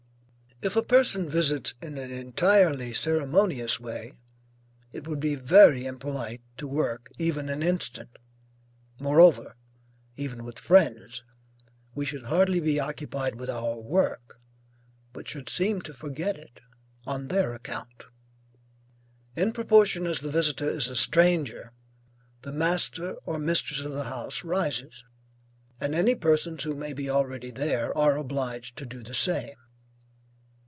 If a person visits in an entirely ceremonious way, it would be very impolite to work even an instant. Moreover, even with friends, we should hardly be occupied with our work, but should seem to forget it on their account. In proportion as the visitor is a stranger, the master or mistress of the house rises, and any persons who may be already there are obliged to do the same.